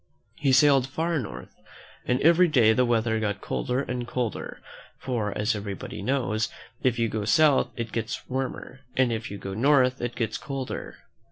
He sailed far north, and every day the weather got colder and colder; for, as everybody knows, if you go south it gets warmer, and if you go north it gets colder.